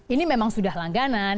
ini memang sudah langganan